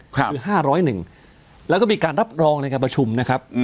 คือ๕๐๑แล้วก็มีการรับรองในการประชุมนะครับ